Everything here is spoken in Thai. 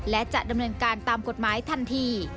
และจะดำเนินการตามกฎหมายทันที